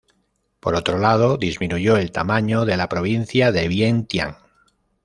Por otro lado disminuyó el tamaño de la provincia de Vientián.